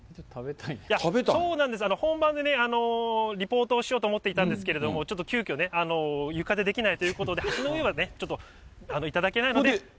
そうなんです、本番でリポートをしようと思っていたんですけども、ちょっと急きょね、床でできないということで、橋の上はね、ちょっと頂けないので。